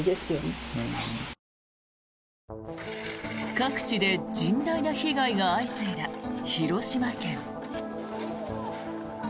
各地で甚大な被害が相次いだ広島県。